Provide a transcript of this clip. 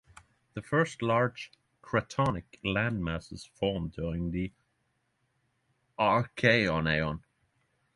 The first large cratonic landmasses formed during the Archean eon.